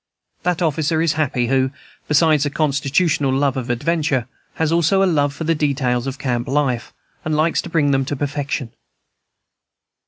That officer is happy who, besides a constitutional love of adventure, has also a love for the details of camp life, and likes to bring them to perfection.